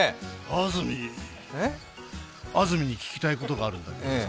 安住、安住に聞きたいことがあるんだ。